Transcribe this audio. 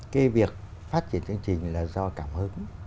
cái việc phát triển chương trình là do cảm hứng